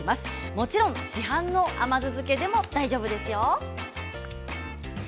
もちろん市販の甘酢漬けでも大丈夫です。